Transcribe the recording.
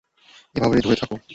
এভাবেই ধরে থাকো।